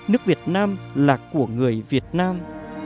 nước việt nam là của người việt nam